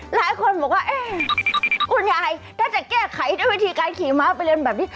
หลายคนบอกว่าเอ๊ะคุณยายถ้าจะแก้ไขด้วยวิธีการขี่ม้าไปเรียนแบบนี้